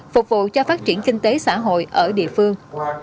phục vụ cho phát triển kinh tế xã hội ở địa phương